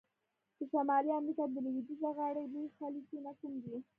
د شمالي امریکا د لویدیځه غاړي لوی خلیجونه کوم دي؟